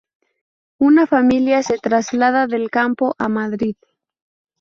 Una familia se traslada del campo a Madrid.